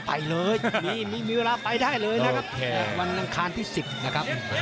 ไปเลยมีเวลาไปได้เลยนะครับแขกวันอังคารที่๑๐นะครับ